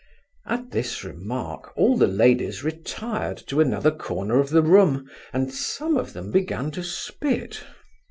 At this remark, all the ladies retired to another corner of the room, and some of them began to spit.